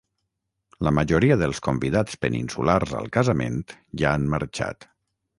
La majoria dels convidats peninsulars al casament ja han marxat.